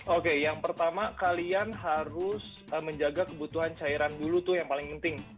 oke yang pertama kalian harus menjaga kebutuhan cairan dulu tuh yang paling penting